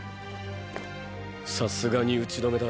さすがに打ち止めだ。